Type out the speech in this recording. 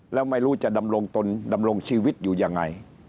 แล้วไม่รู้จะดำรงตนดำรงชีวิตอยู่ยังไง